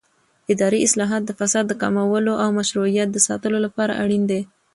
اداري اصلاحات د فساد د کمولو او مشروعیت د ساتلو لپاره اړین دي